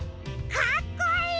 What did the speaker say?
かっこいい！